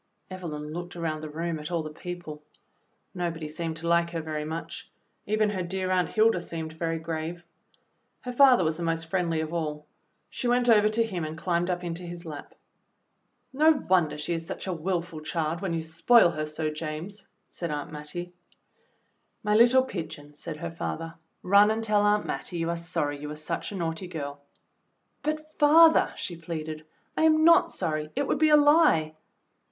Evelyn looked around the room at all the people. Nobody seemed to like her very much; even her dear Aunt Hilda seemed very grave. Her father was the most friendly of all. She went over to him and climbed up into his lap. "No wonder she is such a willful child when you spoil her so, James," said Aunt Mattie. "My httle pigeon," said her father. "Run and tell Aunt Mattie you are sorry you were such a naughty girl." "But, father," she pleaded, "I am not sorry; it would be a lie."